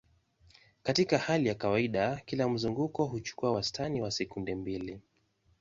Katika hali ya kawaida, kila mzunguko huchukua wastani wa sekunde mbili.